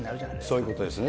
そういうことですね。